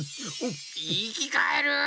いきかえる！